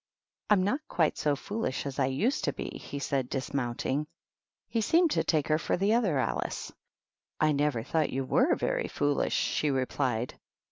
"I'm not quite so foolish as I used to be;" he said, dis mounting. He seemed to take her for the other Alice. "I never thought you were very foolish," she repUed.